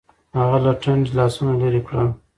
هغه له ټنډې لاسونه لرې کړل. .